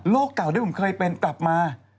เก่าที่ผมเคยเป็นกลับมา